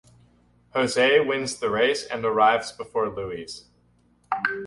Jose wins the race and arrives before Luis.